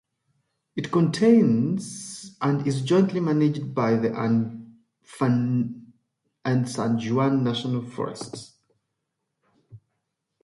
It contains and is jointly managed by the Uncompahgre and San Juan National Forests.